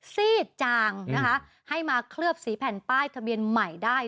ซีดจางนะคะให้มาเคลือบสีแผ่นป้ายทะเบียนใหม่ได้